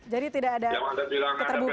jadi tidak ada keterbukaan